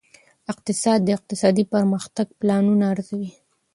اقتصاد د اقتصادي پرمختګ پلانونه ارزوي.